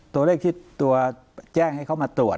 ตัวเลขที่ตัวแจ้งให้เขามาตรวจ